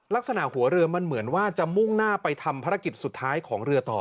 ลักษณะหัวเรือมันเหมือนว่าจะมุ่งหน้าไปทำภารกิจสุดท้ายของเรือต่อ